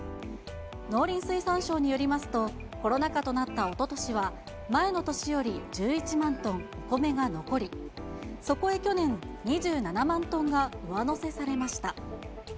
農林水産省によりますと、コロナ禍となったおととしは、前の年より１１万トン、米が残り、そこへ去年、２７万トンが上乗せされました。